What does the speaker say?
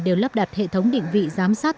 đều lắp đặt hệ thống định vị giám sát